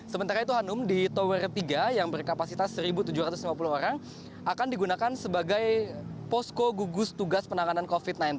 sementara itu hanum di tower tiga yang berkapasitas satu tujuh ratus lima puluh orang akan digunakan sebagai posko gugus tugas penanganan covid sembilan belas